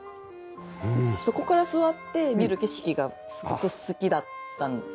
そこから座って見る景色がすごく好きだった。